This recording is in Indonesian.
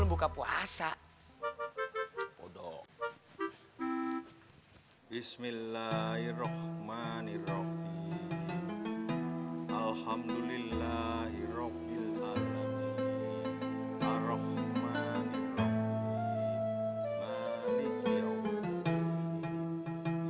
buka puasa podok bismillahirohmanirohim alhamdulillahirohmilalami arrohmanirohim